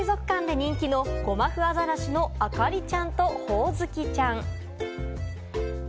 こちらは四国水族館で人気のゴマフアザラシのあかりちゃんとほおずきちゃん。